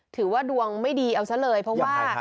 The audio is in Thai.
ถือว่าดวงไม่ดีเอาซะเลยเพราะว่า